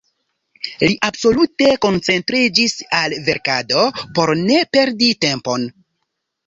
Li absolute koncentriĝis al verkado por ne perdi tempon.